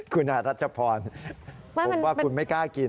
คุณรัชพรผมว่าคุณไม่กล้ากิน